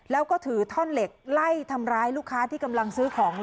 แล้วก็ถือท่อนเหล็กไล่ทำร้ายลูกค้าที่กำลังซื้อของ